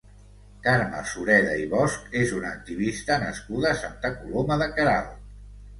Carme Sureda i Bosch és una activista nascuda a Santa Coloma de Queralt.